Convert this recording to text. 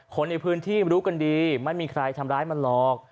คนในพื้นที่รู้กันดีไม่มีใครทำร้ายมันหรอก